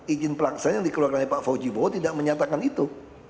ijin pelaksanaan yang dikeluarkan oleh pak faujibowo tidak menyatakan itu